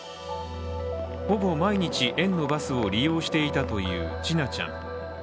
ほぼ毎日園のバスを利用していたという千奈ちゃん。